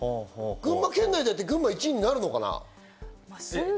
群馬県内でやって、群馬が１位になるのかな？